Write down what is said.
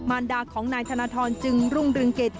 มารดาของนายธนทรจึงรุ่งเริงกฤทธิ์